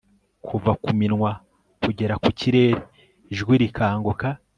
Kuva ku minwa kugera mu kirere ijwi rikanguka